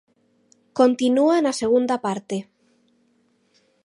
Continúa na segunda parte.